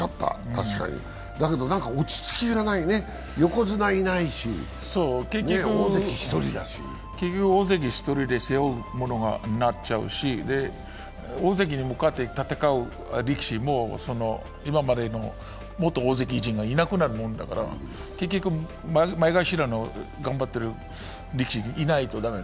だけど、何か落ち着きがないね、横綱いないし、大関１人だし。結局、大関１人で背負うものになっちゃうし大関に向かって戦う力士も今までの元大関陣がいなくなるもんだから、結局、前頭の頑張ってる力士がいないと駄目。